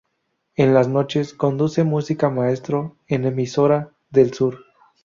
En las noches, conduce "Música, maestro" en Emisora del Sur.